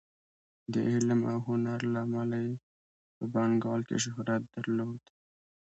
د علم او هنر له امله یې په بنګال کې شهرت درلود.